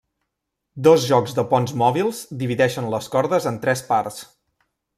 Dos jocs de ponts mòbils divideixen les cordes en tres parts.